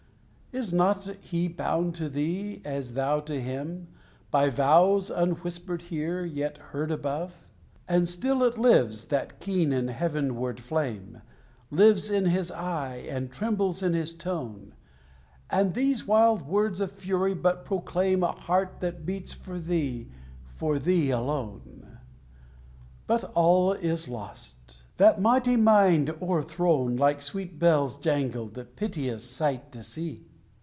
Is not he bound to thee, as thou to him, By vows, unwhispered here, yet heard above? And still it lives, that keen and heavenward flame, Lives in his eye, and trembles in his tone: And these wild words of fury but proclaim A heart that beats for thee, for thee alone! But all is lost: that mighty mind o'erthrown, Like sweet bells jangled, piteous sight to see!